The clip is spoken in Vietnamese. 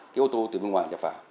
cái ô tô từ bên ngoài nhập vào